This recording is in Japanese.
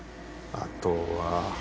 あとは。